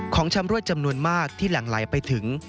ของชำรวดจำนวนมากที่หลั่งไหลไปถึง